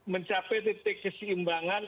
mencapai titik keseimbangan